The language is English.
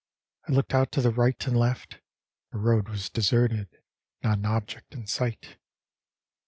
I looked out to the right and left the road was deserted, not an object in sight.